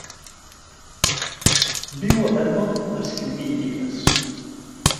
Viu a Vermont escrivint llibres.